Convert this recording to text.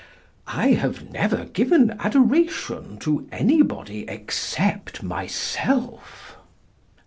I have never given adoration to any body except myself.